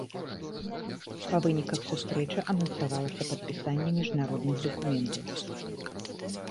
Па выніках сустрэчы анансавалася падпісанне міжнародных дакументаў.